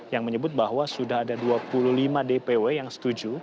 yang menyebut bahwa sudah ada dua puluh lima dpw yang setuju